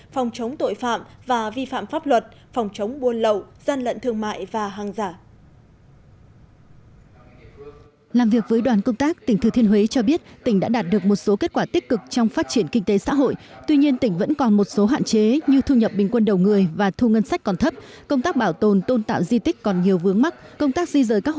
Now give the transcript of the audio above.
phòng chống tội phạm và vi phạm pháp luật phòng chống buôn lậu gian lận thương mại và hàng giả